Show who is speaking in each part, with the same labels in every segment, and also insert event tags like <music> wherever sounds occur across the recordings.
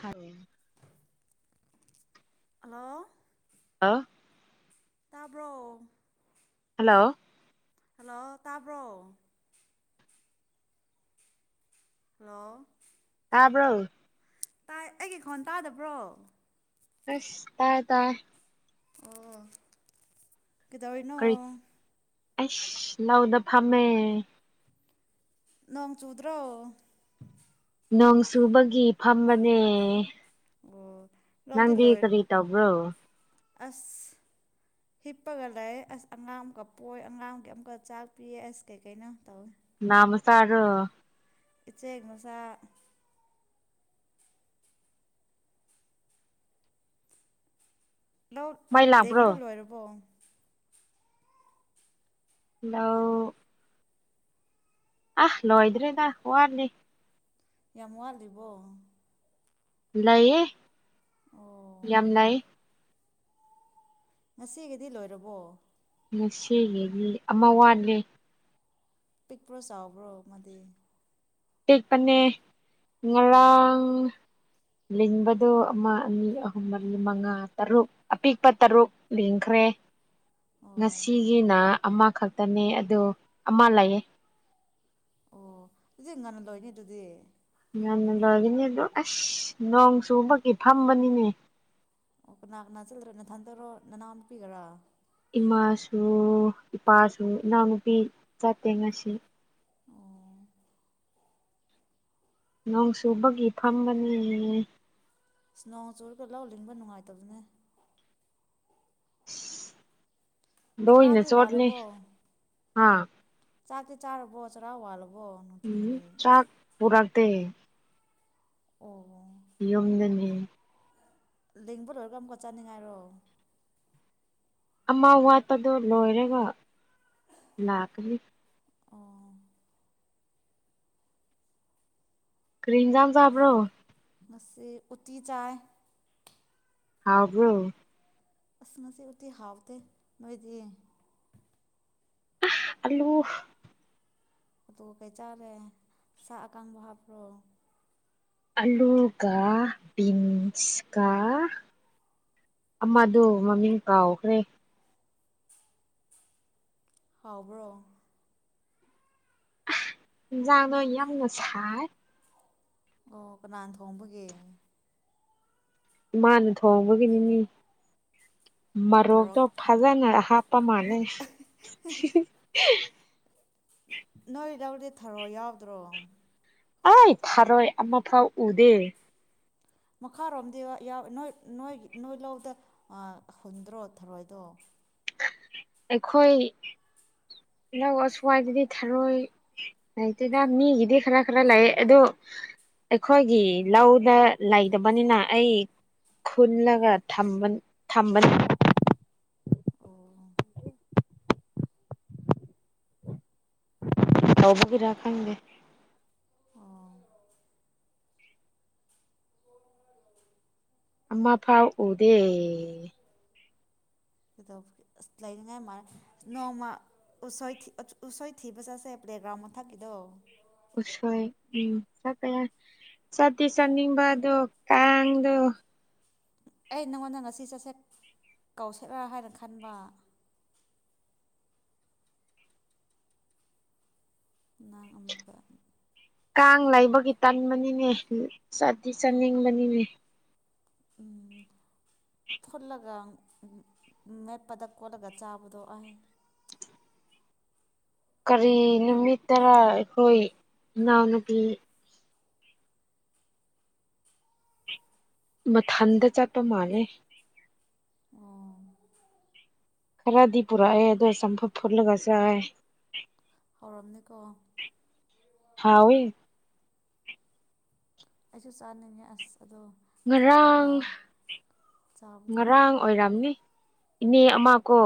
Speaker 1: ꯍꯥꯎ
Speaker 2: hello
Speaker 1: ꯑ
Speaker 2: ꯇꯥꯕ꯭ꯔꯣ
Speaker 1: hello
Speaker 2: hello ꯇꯥꯕ꯭ꯔꯣ ꯍꯜꯂꯣ
Speaker 1: ꯌꯥꯕ꯭ꯔꯣ
Speaker 2: ꯇꯥꯏ ꯑꯩꯒꯤ ꯈꯣꯟ ꯇꯥꯗꯕ꯭ꯔꯣ
Speaker 1: ꯑꯁ ꯇꯥꯏ ꯇꯥꯏ
Speaker 2: ꯑꯣ ꯀꯗ ꯑꯣꯏꯅꯣ
Speaker 1: ꯑꯁ ꯂꯧꯥꯎꯗ ꯐꯝꯃꯦ
Speaker 2: ꯅꯣꯡ ꯆꯨꯗ꯭ꯔꯣ
Speaker 1: ꯅꯣꯡ ꯁꯨꯕꯒꯤ ꯐꯝꯕꯅꯦ
Speaker 2: ꯑꯣ ꯂꯧꯗꯤ
Speaker 1: ꯅꯪꯗꯤ
Speaker 2: ꯂꯣꯏ
Speaker 1: ꯀꯔꯤꯇ ꯑꯣꯕ꯭ꯔꯣ
Speaker 2: ꯑꯁ ꯍꯤꯞꯄꯒ ꯂꯩ ꯑꯁ ꯑꯉꯥꯡ ꯑꯃꯀ ꯄꯣꯛ ꯑꯉꯥꯡ ꯑꯃꯨꯛꯀ ꯆꯥꯛ ꯄꯤꯌꯦ ꯑꯁ ꯀꯩ ꯀꯩꯅꯣ ꯇꯧꯏ
Speaker 1: ꯃ ꯁꯥꯔꯣ
Speaker 2: ꯏꯆꯦꯛ ꯃꯁꯥ ꯂ
Speaker 1: ꯃꯩ ꯂꯥꯛꯄ꯭ꯔꯣ
Speaker 2: ꯂꯦꯡꯕ ꯂꯣꯏꯔꯕꯣ
Speaker 1: ꯍꯜꯂꯣ ꯑ ꯂꯣꯏꯗ꯭ꯔꯦꯗ ꯋꯥꯅꯤ
Speaker 2: ꯌꯥꯝ ꯋꯥꯠꯂꯤꯕꯣ
Speaker 1: ꯂꯩꯌꯦ
Speaker 2: ꯑꯣ
Speaker 1: ꯌꯥꯝ ꯂꯩꯥꯏꯌꯦ
Speaker 2: ꯉꯁꯤꯒꯤꯗꯤ ꯂꯣꯏꯔꯕꯣ
Speaker 1: ꯉꯁꯤꯒꯤꯗꯤ ꯑꯃ ꯋꯥꯠꯂꯦ
Speaker 2: ꯄꯤꯛꯄ꯭ꯔꯣ ꯆꯥꯎꯕ꯭ꯔꯣ ꯃꯥꯗꯤ
Speaker 1: ꯀ
Speaker 2: ꯑꯣ
Speaker 1: ꯄꯟꯅꯦꯥꯡ ꯂꯤꯡꯕꯗꯨ ꯑꯃ ꯑꯅꯤ ꯑꯍꯨꯝ ꯃꯔꯤ ꯃꯉꯥ ꯇꯔꯨꯛ ꯑꯄꯤꯛꯄ ꯇꯔꯨꯛ ꯂꯦꯡꯈ꯭ꯔꯦ ꯍ
Speaker 2: ꯑꯣ
Speaker 1: ꯉꯁꯤꯒꯤꯅ ꯑꯃꯈꯛꯇꯅꯦ ꯑ ꯑꯃ ꯂꯩꯥꯛꯌꯦ
Speaker 2: ꯑꯣ ꯁꯤꯖꯤ ꯉꯟꯅ ꯂꯣꯏꯅꯦ ꯑꯗꯨꯗꯤ
Speaker 1: ꯌꯥꯝꯅ ꯂꯣꯏꯔꯤꯅꯤ ꯑꯗꯨ ꯑꯁ ꯅꯣꯡ ꯆꯨꯕꯒꯤ ꯐꯝꯕꯅꯤꯅꯦ
Speaker 2: ꯑꯣ ꯀꯅꯥꯒꯅꯥ ꯆꯜꯗ꯭ꯔꯦ ꯅꯊꯟꯗꯔꯣ ꯅꯅꯥꯎ ꯅꯨꯄꯤꯒꯔꯥ
Speaker 1: ꯏꯃꯥꯁꯨ ꯏꯄꯥꯁꯨ ꯏꯅꯥꯎꯅꯨꯄꯤ ꯆꯠꯇꯦ ꯉꯁꯤ
Speaker 2: ꯑꯣ
Speaker 1: ꯅꯣꯡ ꯁꯨꯕꯒꯤ ꯐꯝꯕꯅꯦ
Speaker 2: ꯅꯣꯡ ꯆꯨꯔꯒ ꯂꯧ ꯂꯤꯡꯕ ꯅꯨꯡꯉꯥꯏꯇꯕꯗꯨꯅꯦ
Speaker 1: ꯗꯣꯏꯅꯦ
Speaker 2: ꯆꯔꯥꯗꯤ
Speaker 1: ꯆꯣꯠꯂꯤ
Speaker 2: ꯋꯥꯜꯂꯕꯣ
Speaker 1: ꯍꯥꯥ
Speaker 2: ꯆꯥꯛꯇ ꯆꯥꯔꯕꯣꯁꯔꯥꯎꯑꯣ ꯋꯥꯜꯂꯣ
Speaker 1: ꯎꯝ ꯆꯥꯛ ꯄꯨꯔꯗ
Speaker 2: ꯑꯣ
Speaker 1: ꯌꯨꯝꯗꯅꯤ
Speaker 2: ꯂꯦꯡꯕꯨ ꯂꯣꯏꯔꯒ ꯑꯃꯨꯛꯀ ꯆꯥꯅꯤꯡꯉꯥꯏꯔꯣ
Speaker 1: ꯑꯃ ꯋꯥꯠꯄꯗꯣ ꯂꯣꯏꯔꯒ ꯂꯥꯛꯀꯅꯤ
Speaker 2: ꯑꯣ
Speaker 1: ꯀ꯭ꯔꯤꯝꯖꯝ ꯆꯥꯞꯔꯣ
Speaker 2: ꯃꯁꯤꯁꯦ ꯎꯇꯤ ꯆꯥꯥꯏ
Speaker 1: ꯍꯕ꯭ꯔꯣ
Speaker 2: ꯑꯅ ꯉꯁꯤ ꯎꯇꯤ ꯍꯥꯕꯇ ꯃꯣꯏꯗꯤ
Speaker 1: ꯑꯜꯂꯨ
Speaker 2: ꯎꯇ ꯀꯩ ꯆꯥꯎꯦ ꯁꯥꯕꯀ ꯍꯥ ꯐꯔꯣ
Speaker 1: ꯑꯂꯨ ꯀ ꯤꯟꯁ ꯀ ꯑꯃꯗꯨ ꯃꯃꯤꯡ ꯀꯥꯎꯈ꯭ꯔꯦ
Speaker 2: ꯍꯥꯎꯕ꯭ꯔꯣ
Speaker 1: ꯏꯟꯖꯥꯡꯗꯣ ꯌꯥꯝꯅ ꯁꯥꯏ
Speaker 2: ꯑꯣ ꯀꯅꯥ ꯊꯣꯡꯕꯒꯦ
Speaker 1: ꯏꯃꯥꯅ ꯊꯣꯡꯕꯒꯤꯅꯤꯅꯤ
Speaker 2: ꯃꯣꯔꯣꯛ
Speaker 1: ꯃꯔꯣꯛꯇꯣ ꯐꯖꯅ ꯍꯥꯞꯄ ꯃꯥꯥꯟꯂꯩ
Speaker 2: ꯅꯣꯏ ꯂꯧꯗꯤ ꯊꯔꯣꯑꯣ ꯌꯥꯎꯗ꯭ꯔꯣ
Speaker 1: ꯑꯩ ꯐꯥꯔꯣꯏ ꯑꯃ ꯐꯥꯎ ꯎꯗꯦ
Speaker 2: ꯃꯈꯥꯔꯣꯝꯗꯤ ꯅꯣꯏ ꯅꯣꯏ ꯅꯣꯏ ꯂꯧꯗ ꯍꯨꯟꯗ꯭ꯔꯣ ꯊꯔꯣꯏꯗꯣ
Speaker 1: ꯑꯩꯈꯣꯏ ꯗ ꯑꯁꯋꯥꯏꯗꯗꯤ ꯊꯥꯔꯣꯏ ꯂꯩꯇꯗ ꯃꯤꯒꯤꯗꯤ ꯈꯔ ꯈꯔ ꯂꯥꯛꯑꯦ ꯑꯗꯣ ꯑꯩꯈꯣꯏꯒꯤ ꯂꯧꯗ ꯂꯩꯇꯕꯅꯤꯅ ꯑꯩ ꯈꯨꯟꯂꯒ ꯊꯝꯕꯟ ꯊꯝꯕꯟ
Speaker 2: ꯑꯣ
Speaker 1: ꯇꯕꯨꯒꯤꯔꯈꯪꯒꯦ
Speaker 2: ꯑꯣ
Speaker 1: ꯑꯝꯃ ꯐꯥꯎ ꯎꯗꯦ
Speaker 2: ꯀꯩꯗꯧꯕ ꯑꯁ ꯂꯩꯅꯤꯡꯉꯥꯏ ꯃꯥꯅ ꯅꯣꯡꯃ ꯎ ꯎꯁꯣꯏꯊꯤꯕ ꯆꯠꯁꯦ ꯄ꯭ꯂꯦꯒ꯭ꯔꯥꯎꯟ ꯃꯊꯛꯀꯤꯗꯣ
Speaker 1: ꯎꯁꯣꯏ ꯎꯝ ꯆꯄ ꯁꯁ ꯅꯤꯡꯝꯕ ꯑꯗꯨ ꯀꯥꯡꯗꯨ
Speaker 2: ꯑꯩ ꯅꯪꯉꯣꯟꯗ ꯉꯁꯤ ꯆꯠꯁꯦꯛ ꯀꯧꯁꯠꯂꯥ ꯍꯥꯏꯅ ꯈꯟꯕ ꯅꯪ ꯑꯃꯨꯛꯀ
Speaker 1: ꯀꯥꯡ ꯂꯩꯕꯒꯤ ꯇꯟꯕꯅꯤꯅꯦ ꯆꯗꯤ ꯆꯥꯅꯤꯡꯕꯅꯤꯅꯦ
Speaker 2: ꯎꯝ
Speaker 1: ꯎ
Speaker 2: ꯐꯨꯠꯂꯒ ꯃꯦꯞꯄꯗ ꯀꯣꯠꯂꯒ ꯆꯥꯕꯗꯣ ꯑ
Speaker 1: <inaudible> ꯀꯔꯤ ꯅꯨꯃꯤꯠ ꯇꯔꯥ ꯑꯩꯈꯣꯏ ꯏꯅꯥꯎꯅꯨꯄꯤ ꯃꯊꯟꯗ ꯆꯠꯄ ꯃꯥꯜꯂꯦ
Speaker 2: ꯑꯣ
Speaker 1: ꯈꯔꯗꯤ ꯄꯨꯔꯛꯑꯦ ꯑꯗꯣ ꯆꯝꯐ ꯐꯨꯜꯂꯒ ꯆꯥꯏ
Speaker 2: ꯍꯧꯔꯝꯅꯤꯀꯣ
Speaker 1: ꯍꯥꯎ ꯑꯣꯏꯣꯏ
Speaker 2: ꯑꯩꯁꯁꯨ ꯁꯥꯟꯅꯤ ꯑꯁ ꯑꯗꯣ
Speaker 1: ꯉꯔꯥꯡ
Speaker 2: ꯐꯨꯠꯂꯒ ꯆꯥꯕꯗꯣ
Speaker 1: ꯉꯔꯥꯡ ꯑꯣꯏꯔꯝꯅꯤ ꯏꯅꯦ ꯑꯃ ꯀꯣ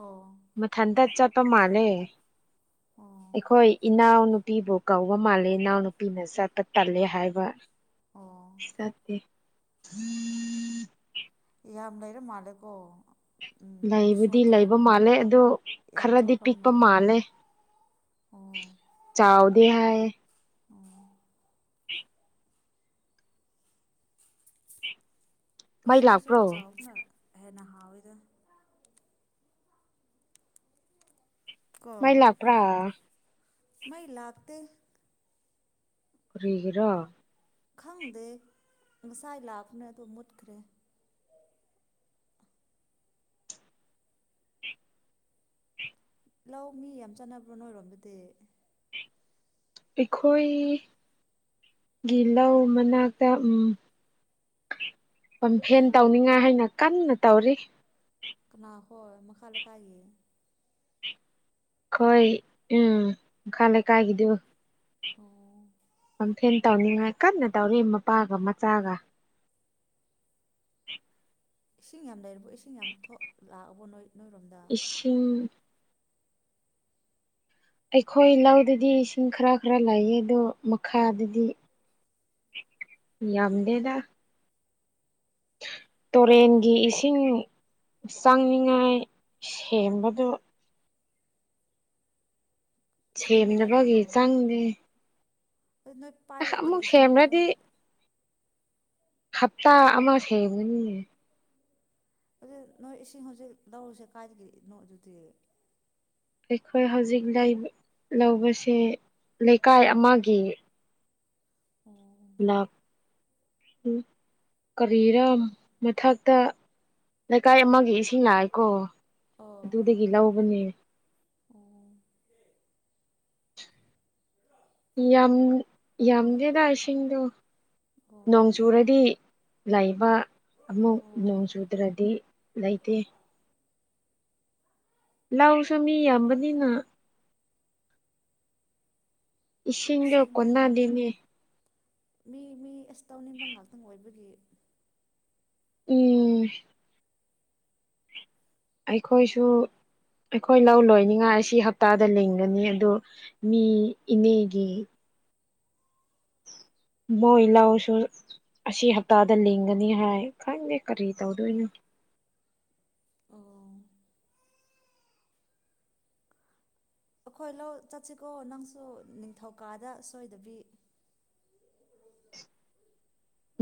Speaker 2: ꯑꯣ
Speaker 1: ꯃꯊꯟꯇ ꯆꯠꯇꯧ ꯃꯥꯜꯂꯦ
Speaker 2: ꯑꯣ
Speaker 1: ꯑꯩꯈꯣꯏ ꯏꯅꯥꯎ ꯅꯨꯄꯤꯕꯨ ꯀꯧꯕ ꯃꯥꯜꯂꯦ ꯏꯅꯥꯎ ꯅꯨꯄꯤꯅ ꯆꯠꯄ ꯇꯜꯂꯦ ꯍꯥꯏꯕ
Speaker 2: ꯑꯣ
Speaker 1: ꯁꯠꯇ
Speaker 2: ꯌꯥꯝꯌꯥꯝ ꯂꯩꯔꯦ ꯃꯥꯜꯂꯦꯀꯣ ꯎꯝ
Speaker 1: ꯂꯩꯕꯨꯗꯤ
Speaker 2: ꯎꯁꯣꯏꯗꯣ
Speaker 1: ꯂꯩꯕ ꯃꯥꯜꯂꯦ ꯑꯣ
Speaker 2: ꯌꯥꯝ
Speaker 1: ꯈꯔꯗꯤ
Speaker 2: ꯊꯣꯛꯈ꯭ꯔꯕ
Speaker 1: ꯄꯤꯛꯄ ꯃꯥꯜꯂꯦ
Speaker 2: ꯑꯣ
Speaker 1: ꯆꯥꯎꯋꯗꯤ ꯍꯥꯏ
Speaker 2: ꯎ
Speaker 1: <inaudible> ꯃꯩ
Speaker 2: ꯎꯁꯋꯥ ꯑꯁ
Speaker 1: ꯂꯥꯛꯄ꯭ꯔꯣ
Speaker 2: ꯑ ꯆꯥꯎꯕꯅ ꯍꯦꯟꯅ ꯍꯥꯎꯋꯤꯗ
Speaker 1: ꯃꯩꯂꯥꯛ ꯄꯨ꯭ꯔꯥ
Speaker 2: ꯃꯥꯏ ꯂꯥꯛꯇ
Speaker 1: ꯀꯔꯒ꯭ꯔꯥ
Speaker 2: ꯈꯪꯗꯦ ꯉꯁꯥꯏ ꯂꯥꯄꯅ ꯑꯗꯨꯣ ꯃꯨꯠꯈ꯭ꯔꯦ ꯂꯧ ꯃꯤ ꯌꯥꯝ ꯆꯥꯟꯅꯕ꯭ꯔꯣ ꯅꯣꯏꯔꯣꯝꯕꯨꯗꯤ
Speaker 1: ꯑꯩꯈꯣꯏꯒꯤ ꯂꯧ ꯃꯅꯥꯛꯇ ꯎꯝ ꯄꯝꯐꯦꯟ ꯇꯧꯅꯤꯡꯉꯥꯏ ꯍꯥꯏꯅ ꯀꯟꯅ ꯇꯧꯔꯤ
Speaker 2: ꯀꯅꯥ ꯍꯣꯏ ꯃꯈꯥ ꯂꯩꯀꯥꯏꯒꯤ
Speaker 1: ꯈꯣꯏ ꯎꯝ ꯈꯂꯦ ꯀꯥꯏ ꯀꯗꯕ
Speaker 2: ꯑꯣ
Speaker 1: ꯀꯝꯄ꯭ꯂꯦꯟ ꯇꯧꯅꯤꯡꯉꯥꯏ ꯀꯟꯅ ꯇꯧꯔꯤ ꯃꯄꯥꯒ ꯃꯆꯥꯒ
Speaker 2: ꯏꯁꯤꯡ ꯌꯥꯝ ꯂꯩꯔꯕ ꯏꯁꯤꯡ ꯌꯥꯝ ꯊꯣꯛ ꯂꯥꯛꯑꯕ ꯅꯣꯏ ꯅꯣꯏꯔꯣꯝꯗ
Speaker 1: ꯏꯁꯤꯡ ꯑꯩꯈꯣꯏ ꯂꯧꯗꯗꯤ ꯏꯁꯤꯡ ꯈꯔ ꯈꯔ ꯂꯥꯛꯑ ꯑꯗꯣ ꯃꯈꯥꯗꯗꯤ ꯗꯦꯗ ꯇꯨꯔꯦꯟꯒꯤ ꯏꯁꯤꯡ ꯏꯁꯤꯡ ꯆꯪꯅꯤꯉꯥꯏ ꯁꯦꯝꯕꯗꯨ
Speaker 2: ꯁꯦꯝꯕ
Speaker 1: ꯁꯦꯝꯅꯕꯒꯤ
Speaker 2: ꯌꯥꯗ꯭ꯔꯕꯣ
Speaker 1: ꯆꯪꯗꯦ
Speaker 2: ꯅꯣꯏ
Speaker 1: ꯑꯁ
Speaker 2: ꯄꯥꯏꯕ
Speaker 1: ꯑꯃꯨꯛ
Speaker 2: ꯀꯔꯤꯩ ꯏꯁꯤꯡꯣꯗ ꯅꯣꯏ
Speaker 1: ꯁꯦꯝꯔꯗꯤ ꯍꯞꯇꯥ ꯑꯃ ꯁꯦꯝꯦꯕꯅꯤ
Speaker 2: ꯑꯗꯨ ꯅꯣꯏ ꯏꯁꯤꯡ ꯍꯧꯖꯤꯛ ꯂꯧꯔꯨꯁꯦ ꯀꯥꯏꯗꯒꯤꯅꯣ ꯑꯗꯨꯗꯤ
Speaker 1: ꯑꯩꯈꯣꯏ ꯍꯧꯖꯤꯛ ꯂꯩ ꯂꯧꯕꯁꯦ ꯂꯩꯀꯥꯏ ꯑꯃꯒꯤ
Speaker 2: ꯑꯣ
Speaker 1: ꯀꯔꯤꯔꯝ ꯃꯊꯛꯇ ꯂꯩꯀꯥꯏ ꯑꯃꯒꯤ ꯏꯁꯤꯡ ꯂꯥꯛꯑꯦꯀꯣ
Speaker 2: ꯑꯣ
Speaker 1: ꯑꯗꯨ ꯇꯨꯗ ꯀꯂꯥꯑꯣꯕꯅꯦ
Speaker 2: ꯑꯣ
Speaker 1: ꯌꯥꯝ ꯌꯥꯝꯗꯦꯗ ꯏꯁꯤꯡꯗꯣ ꯅꯣꯡ
Speaker 2: ꯑꯣ
Speaker 1: ꯆꯨꯔꯗꯤ ꯂꯩꯕ ꯑꯃꯨꯛ ꯅꯣꯡ
Speaker 2: ꯑꯣ
Speaker 1: ꯆꯨꯗ꯭ꯔꯗꯤ ꯂꯩꯇꯦ ꯂꯥꯛꯁꯨ ꯃꯤ ꯌꯥꯝꯕꯅꯤꯅ ꯏꯁꯤꯡꯗꯣ
Speaker 2: ꯑꯁꯦꯡꯕ ꯎꯝ
Speaker 1: ꯀꯅꯥꯗꯤꯅꯤ
Speaker 2: ꯃꯤ ꯃꯤ ꯑꯁ ꯇꯧꯅꯤꯡꯕ ꯉꯥꯛꯇꯪ ꯑꯣꯏꯕꯒꯤ
Speaker 1: ꯎꯝ ꯑꯩꯈꯣꯏꯁꯨ ꯑꯩꯈꯣꯏ ꯂꯧ ꯂꯣꯏꯅꯤꯉꯥꯏ ꯑꯁꯤ ꯍꯞꯇꯥꯗ ꯂꯤꯡꯒꯅꯤ ꯑꯗꯨ ꯃꯤ ꯏꯅꯦꯒꯤ ꯃꯣꯏ ꯏ ꯂꯥꯎꯁꯨ ꯑꯁꯤ ꯍꯞꯇꯥꯗ ꯂꯤꯡꯒꯅꯤ ꯍꯥꯏ ꯈꯪꯗꯦ ꯀꯔꯤ ꯇꯧꯗꯣꯏꯅꯣ <inaudible>
Speaker 2: ꯑꯣ ꯑꯩꯈꯣꯏ ꯂꯧ ꯆꯠꯁꯤꯀꯣ ꯅꯪꯁꯨ ꯅꯤꯡꯊꯧꯀꯥꯗ ꯁꯣꯏꯗꯕꯤ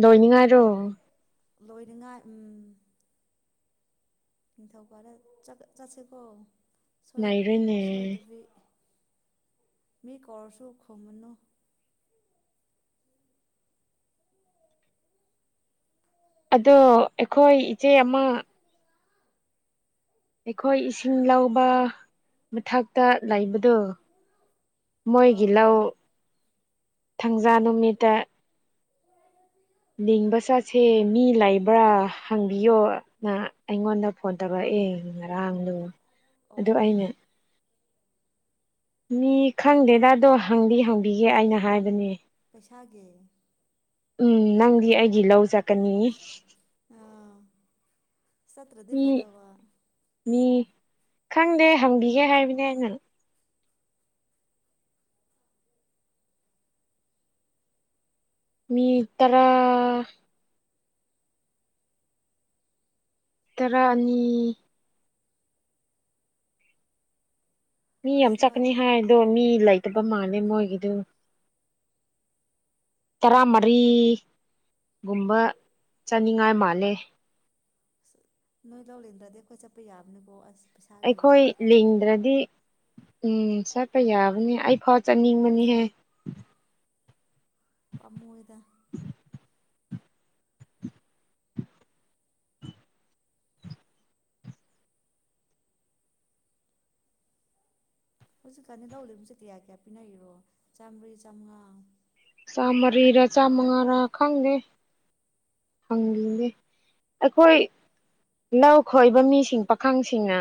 Speaker 1: ꯅꯤꯉꯔꯣ
Speaker 2: ꯂꯣꯏꯅꯉꯥꯏ ꯎꯝ ꯅꯤꯡꯊꯧꯀꯔ ꯆꯠꯁꯤꯀꯣ
Speaker 1: ꯂꯩꯔꯣꯏꯅꯦ
Speaker 2: ꯁꯣꯏꯗꯕꯤ ꯃꯤ ꯀꯧꯔꯁꯨꯣ ꯈꯨꯃꯅꯨ
Speaker 1: ꯑꯗꯣ ꯑꯩꯈꯣꯏ ꯏꯆꯦ ꯑꯃ ꯑꯩꯈꯣꯏ ꯏꯁꯤꯡ ꯂꯕ ꯃꯊꯛꯇ ꯂꯩꯕꯗꯣ ꯃꯣꯏꯒꯤ
Speaker 2: ꯑꯥ
Speaker 1: ꯂꯧ ꯊꯥꯡꯖꯥ ꯅꯨꯃꯤꯠꯇ ꯅꯤꯡꯕ ꯆꯠꯁꯦ ꯃꯤ ꯂꯩꯕ꯭ꯔꯥ ꯍꯪꯕꯤꯌꯣꯅ ꯑꯩꯉꯣꯟꯗ ꯐꯣꯟ ꯇꯧꯔꯛꯏ ꯑꯦ ꯉꯔꯥꯡꯗꯣ ꯑꯗꯨ
Speaker 2: ꯑꯣ
Speaker 1: ꯑꯩꯅ ꯃꯤ ꯈꯪꯗꯦꯗꯗꯣ ꯍꯪꯗꯤ ꯍꯪꯕꯤꯒꯦ ꯑꯩꯅ ꯍꯥꯏꯕꯅꯦ
Speaker 2: ꯄꯩꯁꯥꯦ
Speaker 1: ꯎꯝ ꯅꯪꯗꯤ ꯑꯩꯒꯤ ꯂꯧ ꯆꯠꯀꯅꯤ
Speaker 2: ꯁꯠꯇ꯭ꯔꯗꯤ
Speaker 1: ꯃꯤ
Speaker 2: ꯐꯥꯗ ꯋꯥ
Speaker 1: ꯃꯤ ꯈꯪꯗꯦ ꯍꯪꯈꯤꯒꯦ ꯍꯥꯏꯔꯤꯕꯅꯦ ꯑꯩꯉꯣꯟ ꯃꯤ ꯇꯔꯥ ꯇꯔꯥ ꯑꯅꯤ ꯃꯤ ꯌꯥꯝ
Speaker 2: ꯑꯁ ꯅꯣꯏ
Speaker 1: ꯆꯠꯀꯅꯤ ꯍꯥꯏꯗꯣ ꯃꯤ ꯂꯩꯇꯕ ꯃꯥꯜꯂꯦ ꯃꯣꯏꯒꯤꯗꯨ ꯇꯔꯥꯃꯔꯤ ꯒꯨꯝꯕ ꯆꯥꯅꯤꯡꯉꯥꯏ ꯃꯥꯜꯂꯦ
Speaker 2: ꯑ ꯅꯣꯏ ꯂꯧ ꯂꯦꯟꯗ꯭ꯔꯗꯤ ꯑꯩꯈꯣꯏ ꯆꯠꯄ ꯌꯥꯕꯅꯤꯀꯣ ꯑꯁ ꯄꯩꯁꯥꯒꯤ
Speaker 1: ꯑꯩꯈꯣꯏ ꯂꯤꯡꯗ꯭ꯔꯗꯤ ꯎꯝ ꯆꯠꯄ ꯌꯥꯕꯅꯦ ꯑꯩ ꯐꯥꯎ ꯆꯠꯅꯤꯡꯕꯅꯤꯍꯦ
Speaker 2: ꯄꯃꯣꯣꯏꯗ ꯍꯧꯖꯤꯛꯀꯥꯟꯅꯤ ꯂꯧꯂꯤꯕꯁꯦ ꯀꯌꯥ ꯀꯌꯥ ꯄꯤꯅꯔꯤꯔꯣ ꯆꯥꯝꯃꯔꯤ ꯆꯥꯝꯃꯉꯥ
Speaker 1: ꯆ ꯃꯔꯤꯔ ꯆꯥ ꯃꯉꯥꯔ ꯈꯪꯒꯦ ꯍꯪꯈꯤꯒꯦ ꯑꯩꯈꯣꯏ ꯂꯧ ꯈꯣꯏꯕ ꯃꯤꯁꯤꯡ ꯄꯥꯈꯪꯁꯤꯡꯅ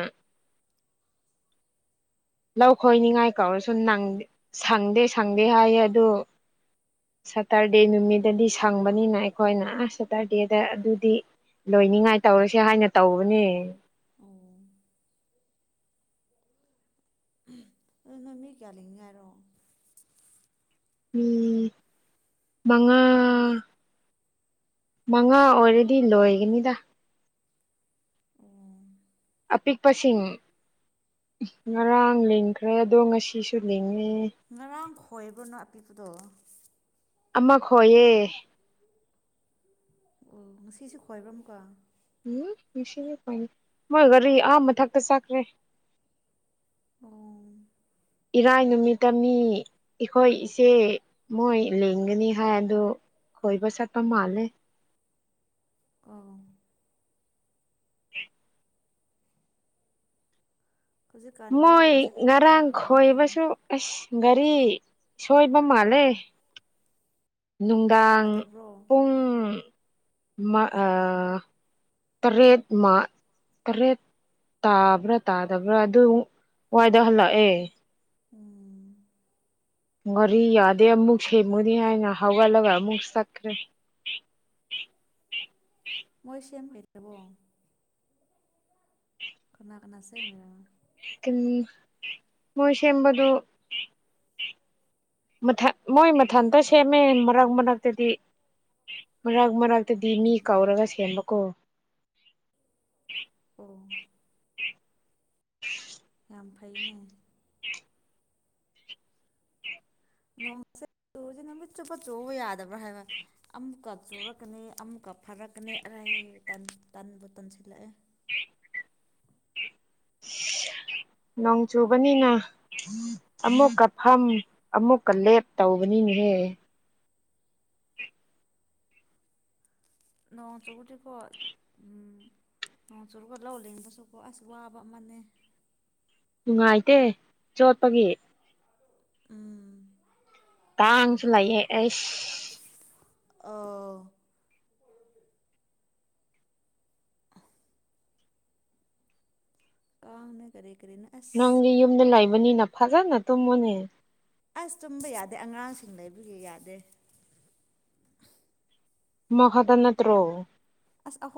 Speaker 1: ꯂꯧ ꯈꯣꯏꯅꯤꯡꯉꯥꯏ ꯀꯧꯔꯁꯨ ꯁꯪꯗꯦ ꯁꯪꯗꯦ ꯍꯥꯏꯌꯦ ꯑꯗꯨ ꯁꯇꯔꯗꯦ ꯅꯨꯃꯤꯠꯇꯗꯤ ꯁꯪꯕꯅꯤꯅ ꯑꯩꯈꯣꯏꯅ ꯁꯇꯔꯗꯦꯗ ꯑꯗꯨꯗꯤ ꯂꯣꯏꯅꯤꯉꯥꯏ ꯇꯧꯔꯁꯦ ꯍꯥꯏꯅ ꯇꯧꯕꯅꯦ
Speaker 2: ꯑꯣ ꯑꯗꯨ ꯅꯃꯤ ꯀꯜꯂꯤꯉꯔꯣ
Speaker 1: ꯎꯝ ꯃꯉꯥ ꯃꯉꯥ ꯑꯣꯏꯔꯗꯤ ꯂꯣꯏꯒꯅꯤꯗ
Speaker 2: ꯑꯣ
Speaker 1: ꯑꯄꯤꯛꯄꯁꯤꯡ ꯉꯔꯥꯡ ꯂꯤꯡꯈ꯭ꯔꯦ ꯑꯗꯣ ꯉꯁꯤꯁꯨ ꯂꯤꯡꯉꯦ
Speaker 2: ꯉꯔꯥꯡ ꯈꯣꯏꯕ꯭ꯔꯅꯣ ꯑꯄꯤꯕꯗꯣ
Speaker 1: ꯑꯃꯈꯣꯏꯌꯦ
Speaker 2: ꯑꯣ ꯉꯁꯤꯁꯨ ꯈꯣꯏꯕ꯭ꯔꯝ ꯀꯣ
Speaker 1: ꯎꯝ ꯃꯣꯏ ꯒꯥꯔꯤ ꯑꯍꯝꯕ ꯊꯛꯇ ꯆꯥꯛꯈ꯭ꯔꯦ
Speaker 2: ꯑꯣ
Speaker 1: ꯏꯔꯥꯏ ꯅꯨꯃꯤꯠꯇ ꯃꯤ ꯑꯩꯈꯣꯏ ꯏꯆꯦ ꯃꯣꯏ ꯂꯦꯡꯒꯅꯤ ꯍꯥꯏ ꯑꯗ ꯈꯣꯏꯕꯁꯠꯄ ꯃꯥꯂꯦ
Speaker 2: ꯑ
Speaker 1: ꯎ
Speaker 2: ꯍꯧꯖꯤꯛꯀꯥꯟ ꯂꯧ
Speaker 1: ꯃꯣꯏ
Speaker 2: ꯂꯤꯡꯕꯁꯦ ꯀꯅꯥ
Speaker 1: ꯉꯔꯥꯡ
Speaker 2: ꯀꯅꯥ ꯂꯩꯗꯣꯏꯅꯣ
Speaker 1: ꯈꯣꯏꯕꯁꯨ ꯑꯁ ꯒꯥꯔꯤ ꯁꯣꯏꯕ ꯃꯥꯜꯂꯦ ꯅꯨꯡꯗꯥꯡ
Speaker 2: ꯌꯥꯗꯕ꯭ꯔꯣ
Speaker 1: ꯄꯨꯡ ꯇꯔꯦꯠ ꯃꯥ ꯇꯔꯦꯠ ꯇꯥꯕ꯭ꯔꯥ ꯇꯥꯗꯕ꯭ꯔꯥ ꯑꯗꯨꯛ ꯋꯥꯏꯗ ꯍꯜꯂꯛꯑꯦ
Speaker 2: ꯎꯝ
Speaker 1: ꯉꯔꯤ ꯌꯥꯗꯦ ꯑꯃꯨꯛ ꯁꯦꯝꯃꯨꯅꯤ ꯍꯥꯏꯅ ꯍꯋꯥꯂꯒ ꯑꯃꯨꯛ ꯆꯈ꯭ꯔꯦ ꯎ
Speaker 2: ꯃꯣꯏꯁꯌꯥꯝ ꯀꯩꯇꯕꯣ ꯀꯅꯥ ꯀꯅꯥ ꯁꯃꯦ
Speaker 1: ꯎꯝ ꯃꯣꯏꯁꯑꯝꯕ ꯑꯗꯨ ꯃꯊ ꯃꯣꯏ ꯃꯊꯟꯇ ꯁꯦꯝꯃꯦ ꯃꯔꯛ ꯃꯔꯛꯇꯗꯤ ꯃꯔꯛ ꯃꯔꯛꯇꯗꯤ ꯃꯤ
Speaker 2: ꯎꯝ
Speaker 1: ꯀꯥꯎꯔꯒ ꯁꯦꯝꯕꯀꯣ
Speaker 2: ꯑꯣ
Speaker 1: ꯎ
Speaker 2: ꯌꯥꯝ ꯐꯩꯅꯦ ꯅꯃꯁꯦ ꯆꯨꯁꯦꯅꯃꯤꯠ ꯆꯨꯞꯄ ꯆꯣꯕ ꯌꯥꯗꯕ꯭ꯔꯥ ꯍꯥꯏꯕ ꯑꯃꯨꯛꯀ ꯆꯣꯔꯛꯀꯅꯤ ꯑꯃꯨꯛꯀ ꯐꯔꯛꯀꯅꯤ ꯄꯥꯏ ꯇꯥꯟ ꯇꯥꯟꯕꯣꯇꯟꯁꯤ ꯂꯥꯛꯑꯦ
Speaker 1: <inaudible> ꯅꯣꯡ ꯆꯨꯕꯅꯤꯅ ꯑꯃꯨꯛꯀ ꯐꯝ ꯑꯃꯨꯛꯀ ꯂꯦꯞ ꯇꯧꯕꯅꯤ ꯭ꯔꯦ
Speaker 2: ꯅꯣꯡ ꯆꯒꯇ ꯈꯣ ꯎꯝ ꯅ ꯆꯨꯔꯒ ꯂꯧꯜꯂꯤꯉꯗꯁꯨꯀꯣ ꯑꯁ ꯋꯥꯕ ꯑꯃꯅꯦ
Speaker 1: ꯅꯨꯡꯉꯥꯏꯇꯦ ꯆꯣꯠꯄꯒꯤ
Speaker 2: ꯎꯝ
Speaker 1: ꯇꯥꯡꯁꯨ ꯂꯩꯥꯏꯍꯦ ꯑꯦꯁ
Speaker 2: ꯑꯣ ꯀꯥꯅ ꯀꯔꯦ
Speaker 1: ꯅꯪꯗꯤ ꯌꯨꯝꯗ ꯂꯩꯕꯅꯤꯅ ꯐꯖꯅ ꯇꯨꯝꯃꯣꯅꯦ
Speaker 2: ꯑꯁ ꯇꯨꯝꯕ ꯌꯥꯗꯦ ꯑꯉꯥꯡꯁꯤꯡ ꯂꯩꯕꯒꯤ ꯌꯥꯗꯦ
Speaker 1: ꯃꯗꯅꯠꯇ꯭ꯔꯣ
Speaker 2: ꯑꯁ ꯑꯣ